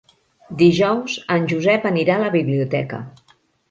Dijous en Josep anirà a la biblioteca.